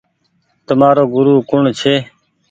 تمآرو گورو ڪوڻ ڇي۔